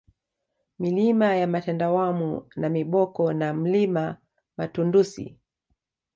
Milima ya Matemdawanu Namiboko na Mlima Matundsi